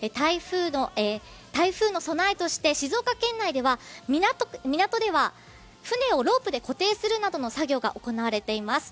台風の備えとして静岡県内では港では船をロープで固定するなどの作業が行われています。